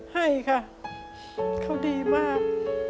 ให้ค่ะเขาดีมาก